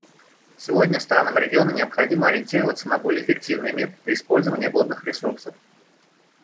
Сегодня странам региона необходимо ориентироваться на более эффективные методы использования водных ресурсов.